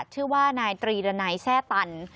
ชื่อว่านายตรีระนัยแช่ตัน